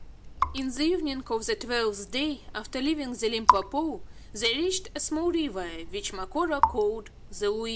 In the evening of the twelfth day after leaving the Limpopo, they reached a small river, which Macora called the Luize.